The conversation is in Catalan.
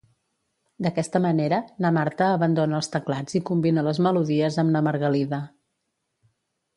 D'aquesta manera, na Marta abandona els teclats i combina les melodies amb na Margalida.